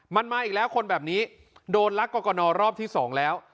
มันมาอีกแล้วคนแบบนี้โดนลักกรกนรอบที่๒แล้ว